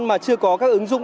mà chưa có các ứng dụng